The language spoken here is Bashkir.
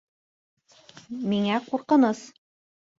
Миңә ҡурҡыныс...